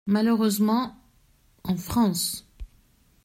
Malheureusement, en France.